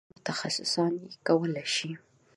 د الهیاتو متخصصان یې کولای شي.